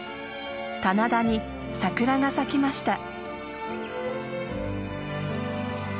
棚田に桜が咲きました。